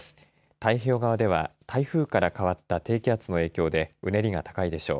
太平洋側では台風から変わった低気圧の影響でうねりが高いでしょう。